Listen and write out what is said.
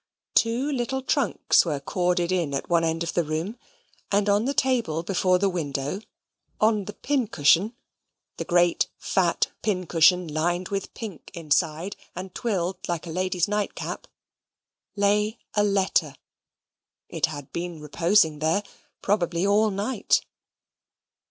Two little trunks were corded in one end of the room; and on the table before the window on the pincushion the great fat pincushion lined with pink inside, and twilled like a lady's nightcap lay a letter. It had been reposing there probably all night.